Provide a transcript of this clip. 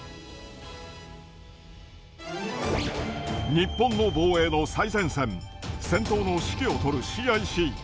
日本の防衛の最前線、戦闘の指揮を執るＣＩＣ。